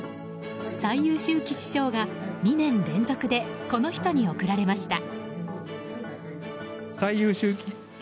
最優秀棋士賞が２年連続でこの人に贈られました。